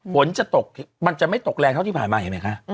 ฝนจะตกมันจะไม่ตกแรงเท่าที่ผ่านมาเห็นไหมคะ